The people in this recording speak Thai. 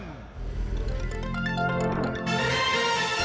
โปรดติดตามตอนต่อไป